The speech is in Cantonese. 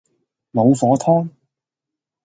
老火湯